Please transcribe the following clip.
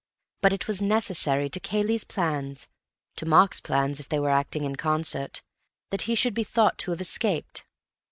But it was necessary to Cayley's plans—to Mark's plans if they were acting in concert—that he should be thought so to have escaped.